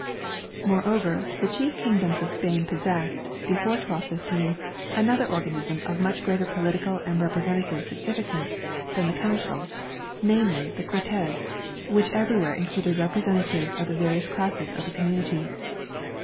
Moreover, the chief king doms of Spain possessed, before 1215, another organism of much greater political and representative signifi cance than the Council, namely the Cortes, which everywhere included representatives of the various classes of the community.